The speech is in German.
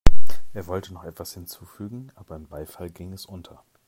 Er wollte noch etwas hinzufügen, aber im Beifall ging es unter.